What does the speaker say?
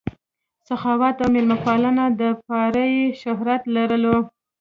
سخاوت او مېلمه پالنې دپاره ئې شهرت لرلو